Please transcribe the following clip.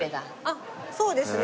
あっそうですね。